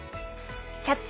「キャッチ！